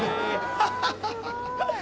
ハハハハ」